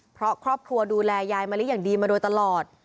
เพราะครอบครัวดูแลยายมะลิอย่างดีมาโดยตลอด